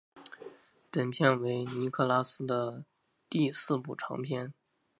本片为尼可拉斯的第四部长片。